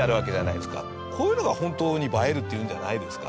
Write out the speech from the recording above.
こういうのが本当に映えるっていうんじゃないですか？